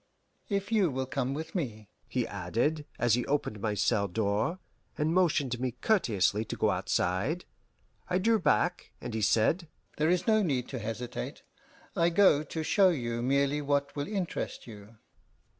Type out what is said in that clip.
If you will come with me," he added, as he opened my cell door, and motioned me courteously to go outside. I drew back, and he said, "There is no need to hesitate; I go to show you merely what will interest you."